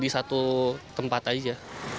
itu tempat saja